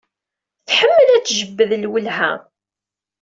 Tḥemmel ad d-tejbed lwelha.